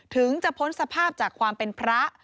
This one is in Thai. ถึงจะพ้นสภาพจากความเป็นพระ